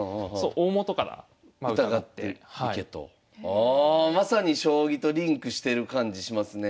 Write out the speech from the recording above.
ああまさに将棋とリンクしてる感じしますねえ。